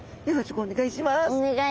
お願いします。